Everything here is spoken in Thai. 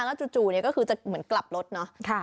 แล้วจู่ก็คือจะเหมือนกลับรถเนอะ